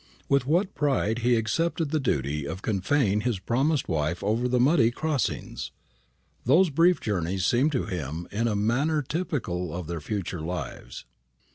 With what pride he accepted the duty of convoying his promised wife over the muddy crossings! Those brief journeys seemed to him in a manner typical of their future lives.